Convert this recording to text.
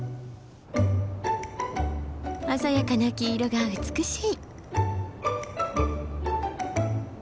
鮮やかな黄色が美しい。